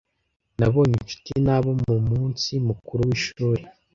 Nabonye inshuti nabo mu munsi mukuru w'ishuri.